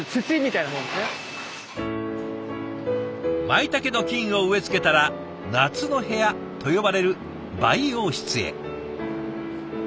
まいたけの菌を植え付けたら夏の部屋と呼ばれる培養室へ。